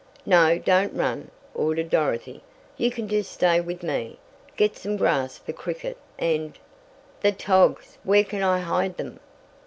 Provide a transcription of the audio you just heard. "No, don't run," ordered Dorothy. "You can just stay with me get some grass for Cricket and " "The togs! Where can I hide them?"